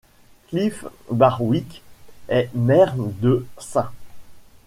Cliff Barwick est maire de St.